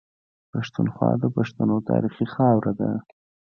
پښتونخوا د پښتنو تاريخي خاوره ده.